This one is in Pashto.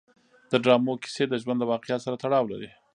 د ډرامو کیسې د ژوند له واقعیت سره تړاو لري.